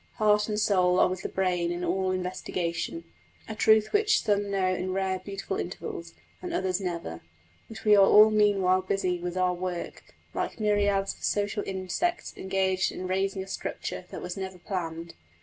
Heart and soul are with the brain in all investigation a truth which some know in rare, beautiful intervals, and others never; but we are all meanwhile busy with our work, like myriads of social insects engaged in raising a structure that was never planned.